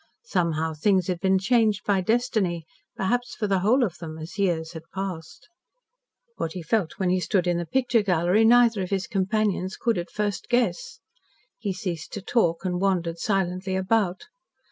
Somehow things had been changed by Destiny perhaps for the whole of them, as years had passed. What he felt when he stood in the picture gallery neither of his companions could at first guess. He ceased to talk, and wandered silently about.